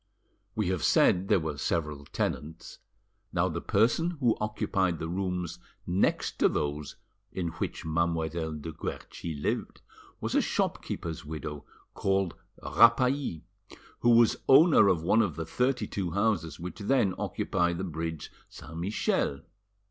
We have said there were several tenants: now the person who occupied the rooms next to those in which Mademoiselle de Guerchi lived was a shopkeeper's widow called Rapally, who was owner of one of the thirty two houses which then occupied the bridge Saint Michel.